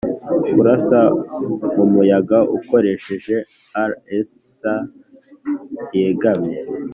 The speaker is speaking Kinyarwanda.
kurasa mumuyaga, ukoresheje arcs yegamye,